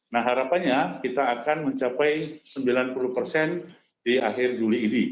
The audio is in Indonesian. nah harapannya kita akan mencapai sembilan puluh persen di akhir juli ini